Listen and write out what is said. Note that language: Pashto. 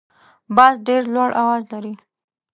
باز ډیر لوړ اواز لري